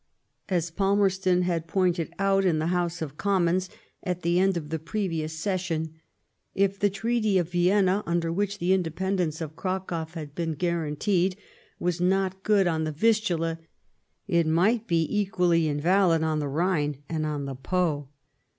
As Palmerston had pointed out in the House of Commons at the end of the pre vious session, if the Treaty of Vienna, under which, the independence of Cracow had been guaranteed^ '* was not good on the Vistula, it might be equally invalid on the Bhine and on the Po."